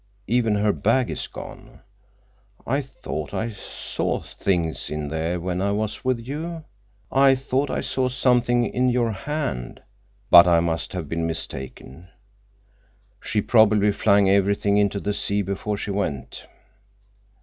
Even her bag is gone. I thought I saw things in there when I was with you. I thought I saw something in your hand. But I must have been mistaken. She probably flung everything into the sea—before she went."